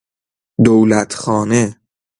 دولت خانه